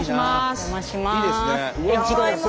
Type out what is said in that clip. お邪魔します。